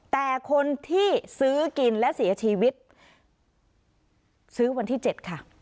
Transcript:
แต่คนที่ซื้อกินและเสียชีวิตซื้อวันที่๗ค่ะ